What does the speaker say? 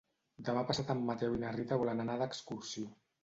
Demà passat en Mateu i na Rita volen anar d'excursió.